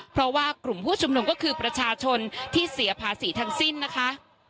เพราะว่ากลุ่มผู้ชุมนุมก็คือประชาชนที่เสียภาษีทั้งสิ้นนะคะ